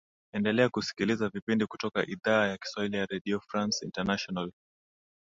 endelea kusikiliza vipindi kutoka idhaa ya kiswahili ya redio france international